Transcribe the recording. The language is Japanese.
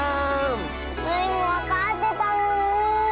スイもわかってたのに。